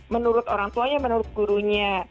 menurut orang tuanya menurut gurunya